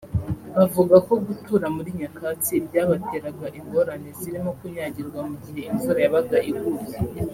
Bavuga ko gutura muri nyakatsi byabateraga ingorane zirimo kunyagirwa mu gihe imvura yabaga iguye